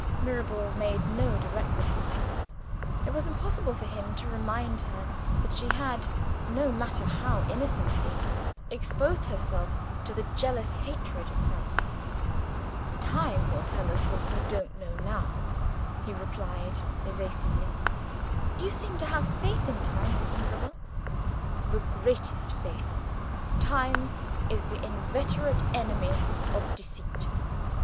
Mirabel made no direct reply. It was impossible for him to remind her that she had, no matter how innocently, exposed herself to the jealous hatred of Francine. "Time will tell us, what we don't know now," he replied evasively. "You seem to have faith in time, Mr. Mirabel." "The greatest faith. Time is the inveterate enemy of deceit.